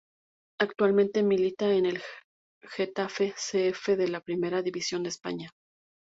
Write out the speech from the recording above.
Actualmente milita en el Getafe C. F. de la Primera División de España.